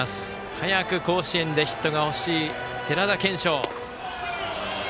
早く甲子園でヒットが欲しい寺田賢生。